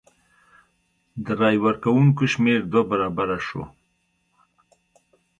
د رای ورکوونکو شمېر دوه برابره شو.